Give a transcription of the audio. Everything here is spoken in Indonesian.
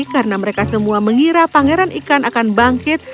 karena mereka semua mengira pangeran ikan akan bangkit